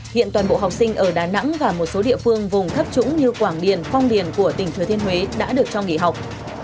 hiện toàn bộ học sinh ở đà nẵng và một số địa phương vùng thấp trũng như quảng điền phong điền của tỉnh thừa thiên huế đã được cho nghỉ học